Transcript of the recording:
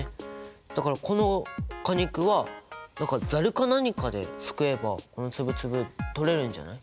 だからこの果肉はざるか何かですくえばこのつぶつぶ取れるんじゃない？